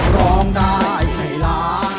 ร้องได้ให้ล้าน